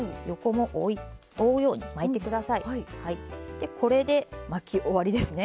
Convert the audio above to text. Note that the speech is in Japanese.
でこれで巻き終わりですね。